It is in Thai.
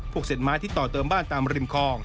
พวกเสดไม้ที่ต่อเติมบ้านตามริมคอง